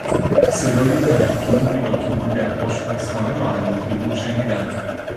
صدای تلق تلوقی را که او در آشپزخانه راه انداخته بود، شنیدم.